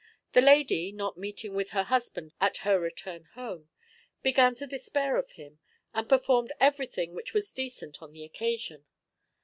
The lady, not meeting with her husband at her return home, began to despair of him, and performed everything which was decent on the occasion.